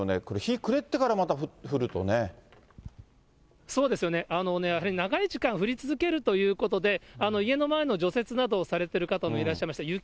これ、日暮れてから、また降るとそうですよね、やはり長い時間降り続けるということで、家の前の除雪などをされている方もいらっしゃいました。